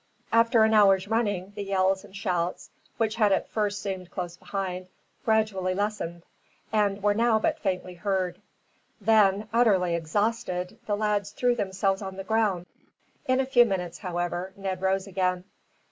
After an hour's running the yells and shouts, which had at first seemed close behind, gradually lessened, and were now but faintly heard. Then, utterly exhausted, the lads threw themselves on the ground. In a few minutes, however, Ned rose again.